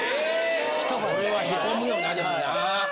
それはへこむよなでもな。